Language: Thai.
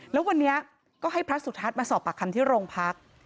แล้ววันนี้ก็ให้พระสุทัศน์มาสอบปากคำที่โรงพัก